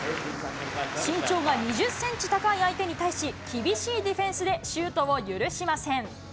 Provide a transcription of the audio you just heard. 身長が２０センチ高い相手に対し、厳しいディフェンスでシュートを許しません。